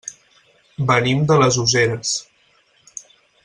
Venim de les Useres.